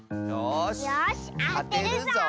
よしあてるぞ！